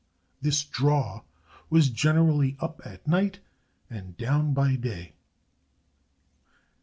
This draw was generally up at night and down by day.